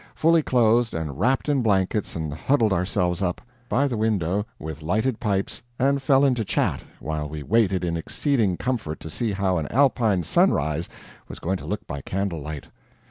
Fully clothed, and wrapped in blankets, and huddled ourselves up, by the window, with lighted pipes, and fell into chat, while we waited in exceeding comfort to see how an Alpine sunrise was going to look by candlelight.